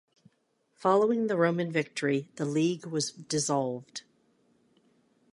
Following the Roman victory, the league was dissolved.